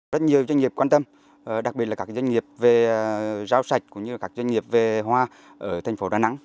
rất nhiều doanh nghiệp quan tâm đặc biệt là các doanh nghiệp về rau sạch cũng như các doanh nghiệp về hoa ở thành phố đà nẵng